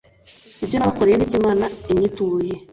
ibyo nabakoreye ni byo imana inyituye